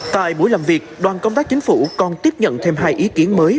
tại buổi làm việc đoàn công tác chính phủ còn tiếp nhận thêm hai ý kiến mới